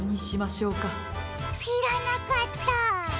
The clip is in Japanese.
しらなかったあ。